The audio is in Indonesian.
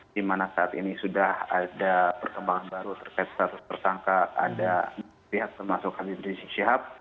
di mana saat ini sudah ada perkembangan baru terkait status tersangka ada pihak termasuk habib rizik syihab